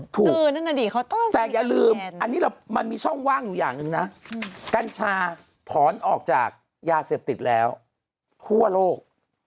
แต่อย่าลืมอันนี้มันมีช่องว่างอยู่อย่างหนึ่งนะกัญชาถอนออกจากยาเสพติดแล้วทั่วโลก